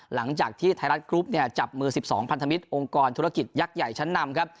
หลังจากที่ไทยรัฐกรุ๊ปเนี่ยจับมือ๑๒พันธมิตรองค์กรธุรกิจยักษ์ใหญ่ชั้นนำครับ